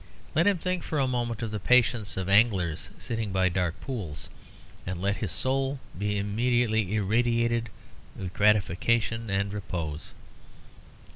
Let him think for a moment of the patience of anglers sitting by dark pools, and let his soul be immediately irradiated with gratification and repose.